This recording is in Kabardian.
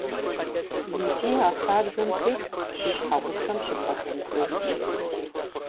Икӏи а хабзэм тетт и щхьэгъусэм щыбгъэдэмысыжми.